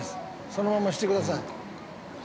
そのまましてください。